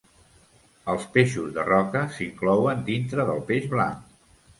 Els peixos de roca s'inclouen dintre del peix blanc.